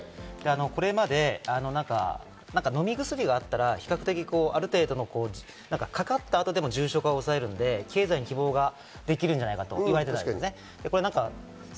これまで飲み薬があったら比較的ある程度かかった後でも重症化を抑えられるので経済に希望が出るんじゃないかと言われていました。